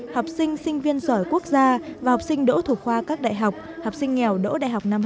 học sinh sinh viên sỏi quốc gia và học sinh đỗ thuộc khoa các đại học học sinh nghèo đỗ đại học năm hai nghìn một mươi sáu